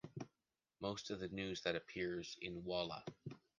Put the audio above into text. Most of news that appears in Walla!